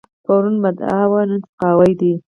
پرون مدح وه، نن سپکاوی دی.